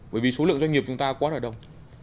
bởi vì số lượng doanh nghiệp chúng ta quá là đông